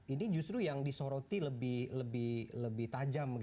ini justru yang disoroti lebih tajam